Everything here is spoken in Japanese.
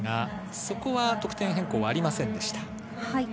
そこは得点変更はありませんでした。